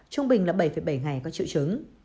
trung bình là bảy bảy ngày có triệu chứng